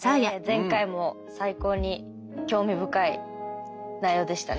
前回も最高に興味深い内容でしたね。